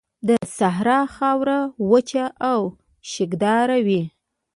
د صحرا خاوره وچه او شګهداره وي.